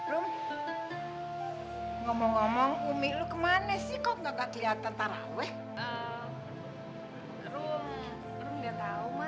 rum rum gak tau mak